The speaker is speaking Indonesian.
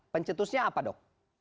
pencetusnya apa dok